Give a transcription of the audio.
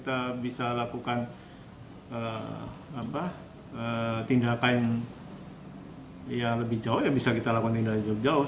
ketika kita melakukan tindakan yang lebih jauh ya bisa kita lakukan tindakan yang jauh jauh